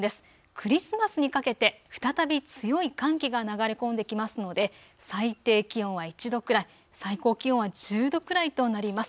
クリスマスにかけて再び強い寒気が流れ込んできますので最低気温は１度くらい、最高気温は１０度くらいとなります。